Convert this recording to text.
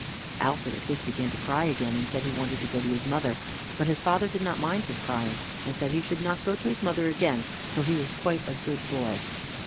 Alfred at this began to cry again, and said he wanted to go to his mother; but his father did not mind his crying, and said he should not go to his mother again till he was quite a good boy.